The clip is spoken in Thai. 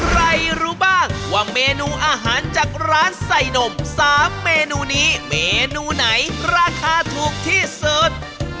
รู้บ้างว่าเมนูอาหารจากร้านใส่นม๓เมนูนี้เมนูไหนราคาถูกที่สุด